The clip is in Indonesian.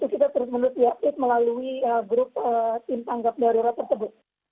dan kita terus meneliti update melalui grup tim tangkap darurat tersebut